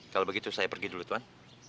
kalau begitu saya pergi dulu tuhan